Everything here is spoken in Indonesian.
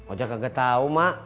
ojak gak tau ma